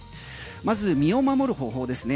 まず身を守る方法ですね。